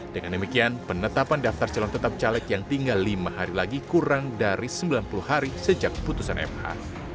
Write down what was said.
dengan demikian penetapan daftar calon tetap caleg yang tinggal lima hari lagi kurang dari sembilan puluh hari sejak putusan mh